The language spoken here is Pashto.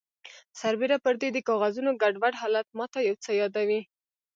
سربیره پردې د کاغذونو ګډوډ حالت ماته یو څه یادوي